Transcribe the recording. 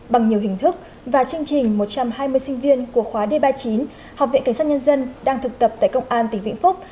bằng nhiều hình thức và chương trình một trăm hai mươi sinh viên của khóa d ba mươi chín học viện cảnh sát nhân dân đang thực tập tại công an tỉnh vĩnh phúc